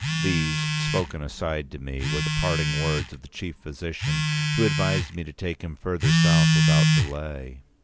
These, spoken aside to me, were the parting words of the chief physician, who advised me to take him further south without delay.